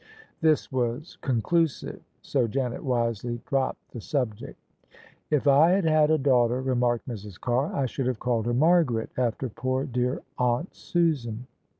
This was conclusive, so Janet wisely dropped the subject. "If I had had a daughter," remarked Mrs. Carr, "I should have called her Margaret after poor dear aunt Susan."